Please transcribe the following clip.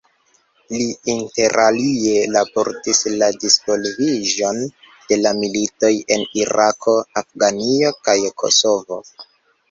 Li interalie raportis la disvolviĝon de la militoj en Irako, Afganio kaj Kosovo.